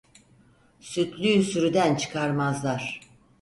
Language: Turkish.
Sütlüyü sürüden çıkarmazlar.